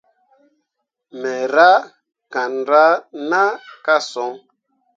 Me rah caŋra na ka son.